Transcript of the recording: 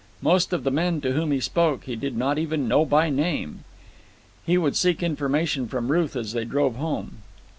Most of the men to whom he spoke he did not even know by name. He would seek information from Ruth as they drove home.